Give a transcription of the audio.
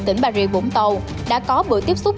tỉnh ba rịa vũng tàu đã có bữa tiếp xúc